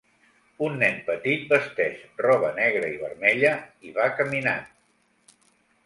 Un nen petit vesteix roba negra i vermella i va caminant